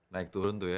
naik turun tuh ya